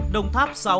đồng tháp sáu